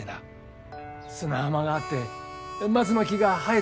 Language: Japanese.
砂浜があって松の木が生えててさ。